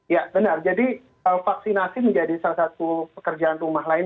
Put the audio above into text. ya benar jadi vaksinasi menjadi salah satu pekerjaan rumah lain